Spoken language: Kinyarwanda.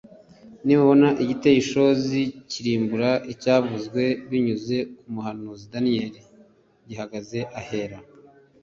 nimubona igiteye ishozi k kirimbura cyavuzwe binyuze ku muhanuzi daniyeli gihagaze ahera